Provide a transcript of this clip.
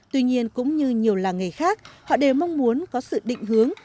tuy nhiên cũng như nhiều làng nghề khác họ đều mong muốn có sự định hướng